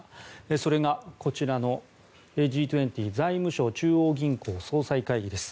それがこちらの、Ｇ２０財務相・中央銀行総裁会議です。